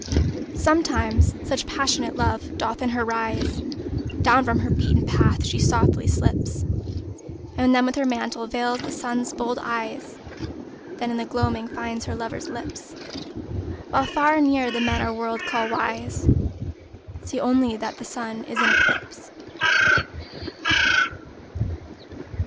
Sometimes such passionate love doth in her rise, Down from her beaten path she softly slips, And with her mantle veils the Sun's bold eyes, Then in the gloaming finds her lover's lips. While far and near the men our world call wise See only that the Sun is in eclipse.